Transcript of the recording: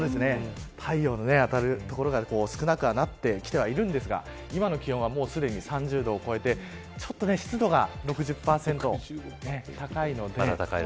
太陽の当たる所が少なくはなってきてはいるんですが今の気温はすでに３０度を超えてちょっと湿度が６０％高いので。